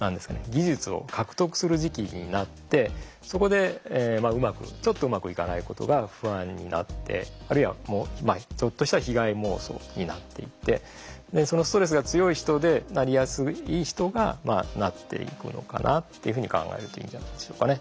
技術を獲得する時期になってそこでちょっとうまくいかないことが不安になってあるいはちょっとした被害妄想になっていってそのストレスが強い人でなりやすい人がなっていくのかなっていうふうに考えるといいんじゃないでしょうかね。